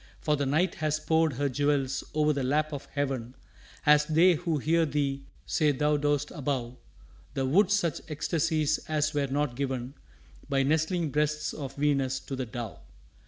For the Night Has poured her jewels o'er the lap of heaven As they who hear thee say thou dost above The wood such ecstasies as were not given By nestling breasts of Venus to the dove.